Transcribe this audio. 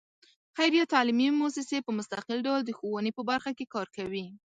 خیریه تعلیمي مؤسسې په مستقل ډول د ښوونې په برخه کې کار کوي.